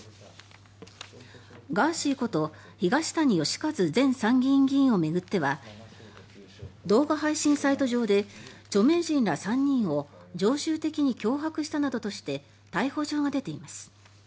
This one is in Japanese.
ガーシーこと東谷義和前参議院議員を巡っては動画配信サイト上で著名人ら３人を常習的に脅迫したなどとして逮捕状が出ています。